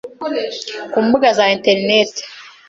ku mbuga za internet